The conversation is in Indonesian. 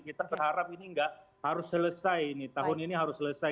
kita berharap ini nggak harus selesai ini tahun ini harus selesai